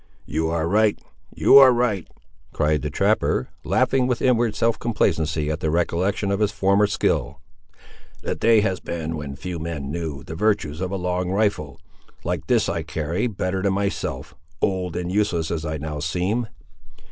"You are right, you are right!" cried the trapper, laughing with inward self complacency at the recollection of his former skill. "The day has been when few men knew the virtues of a long rifle, like this I carry, better than myself, old and useless as I now seem.